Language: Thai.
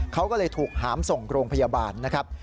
เขาก็เลยถูกหามส่งโรงพยาบาลนะครับ